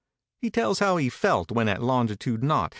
He tells how he felt when at longitude nought.